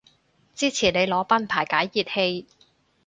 支持你裸奔排解熱氣